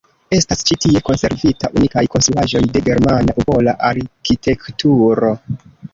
Estas ĉi tie konservita unikaj konstruaĵoj de germana popola arkitekturo.